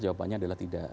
jawabannya adalah tidak